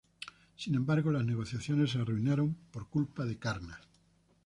Sin embargo las negociaciones se arruinaron por culpa de Karna.